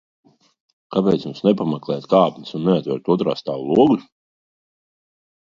Kāpēc jums nepameklēt kāpnes un neatvērt otrā stāva logus?